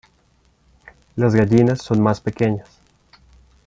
Las gallinas son más pequeñas.